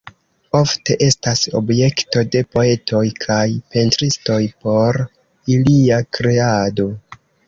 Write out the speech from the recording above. Ofte estas objekto de poetoj kaj pentristoj por ilia kreado.